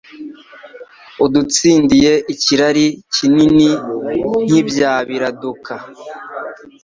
Udutsindiye ikirari Kinini nk’ ibya Biraduka,